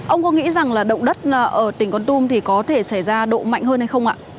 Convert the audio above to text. ông có nghĩ rằng là động đất ở tỉnh con tum thì có thể xảy ra độ mạnh hơn hay không ạ